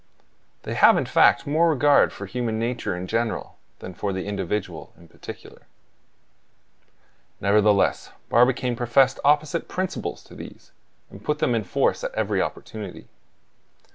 They have in fact more regard for human nature in general than for the individual in particular. Nevertheless, Barbicane professed opposite principles to these, and put them in force at every opportunity.